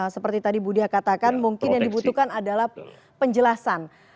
seperti tadi budiha katakan mungkin yang dibutuhkan adalah penjelasan